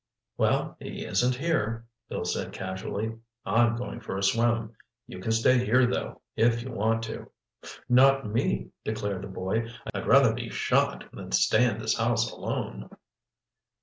"Well, he isn't here," Bill said casually. "I'm going for a swim. You can stay here, though, if you want to." "Not me," declared the boy. "I'd rather be shot than stay in this house alone."